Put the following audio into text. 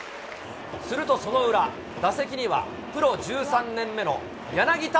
するとその裏、打席にはプロ１３年目の柳田。